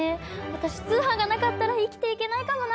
私通販がなかったら生きていけないかもな！